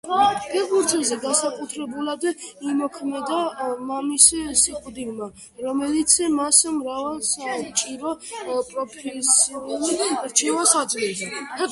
ფეხბურთელზე განსაკუთრებულად იმოქმედა მამის სიკვდილმა, რომელიც მას მრავალ საჭირო პროფესიულ რჩევას აძლევდა.